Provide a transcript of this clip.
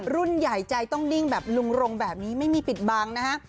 รุ่นใหญ่ใจต้องนิ่งแบบลุงรงแบบนี้ไม่มีปิดบังนะฮะ